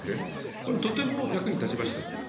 これはとても役に立ちました。